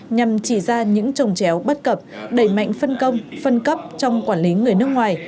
nhằm chỉ ra những trồng chéo bất cập đẩy mạnh phân công phân cấp trong quản lý người nước ngoài